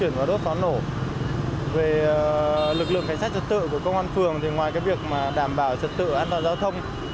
trước tự của công an phường ngoài việc đảm bảo trật tự an toàn giao thông